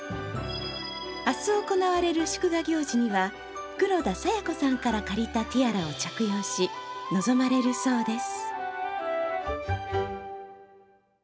明日行われる祝儀行事には黒田清子さんからお借りしたティアラを着用し、臨まれるそうです。